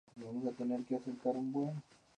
Sus compositores predilectos eran Wagner y Chopin.